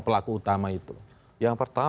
pelaku utama itu yang pertama